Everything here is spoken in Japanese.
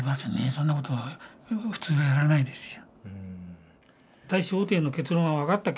そんなことは普通はやらないですよ。